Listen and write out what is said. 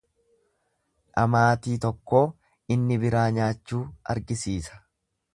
Dhamaatii tokkoo inni biraa nyaachuu argisiisa.